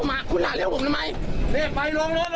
อะไร